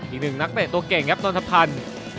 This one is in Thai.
อีกหนึ่งนักเตะตัวเก่งครับนนทพันธ์